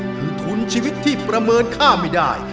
คือทุนชีวิตที่ประเมินค่าไม่ได้